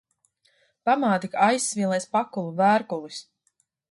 Pamāte kā aizsvilis pakulu vērkulis.